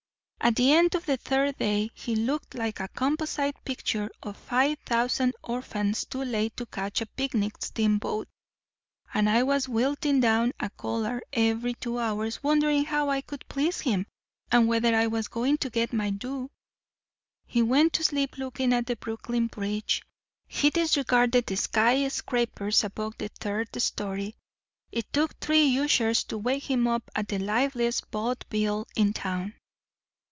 "At the end of the third day he looked like a composite picture of five thousand orphans too late to catch a picnic steamboat, and I was wilting down a collar every two hours wondering how I could please him and whether I was going to get my thou. He went to sleep looking at the Brooklyn Bridge; he disregarded the sky scrapers above the third story; it took three ushers to wake him up at the liveliest vaudeville in town.